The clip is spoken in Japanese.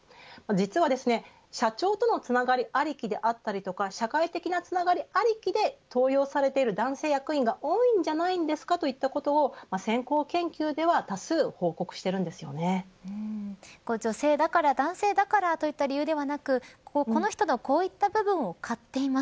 実はですね、社長とのつながりありきであったりとか社会的なつながりありきで登用されている男性役員が多いんじゃないですかということを先行研究では女性だから男性だからといった理由ではなくこの人のこういった部分を買っています。